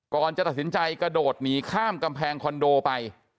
ก่อนจะตัดสินใจกระโดดหนีข้ามกำแพงคอนโดไป